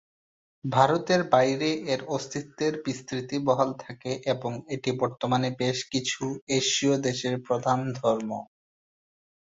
ভারতের বাইরে এর অস্তিত্বের বিস্তৃতি বহাল থাকে এবং এটি বর্তমানে বেশ কিছু এশীয় দেশের প্রধান ধর্ম।